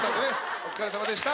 お疲れさまでした。